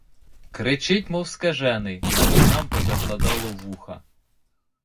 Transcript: Кричить мов скажений, наче нам позакладало вуха!